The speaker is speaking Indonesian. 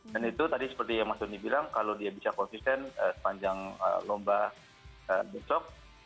dan itu tadi seperti yang mas doni bilang kalau dia bisa konsisten sepanjang lomba besok